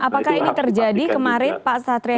apakah ini terjadi kemarin pak satria